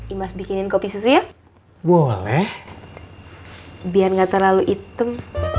imas bikinin kopi susu ya boleh biar gak terlalu hitam